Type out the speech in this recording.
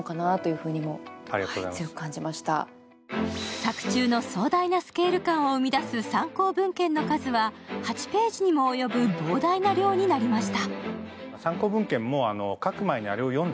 作中の壮大なスケール感を生み出す参考文献の数は８ページにも及ぶ膨大な量になりました。